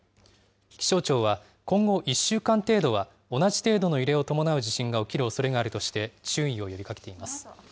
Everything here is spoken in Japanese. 気象庁は、今後１週間程度は同じ程度の揺れを伴う地震が起きるおそれがあるとして、注意を呼びかけています。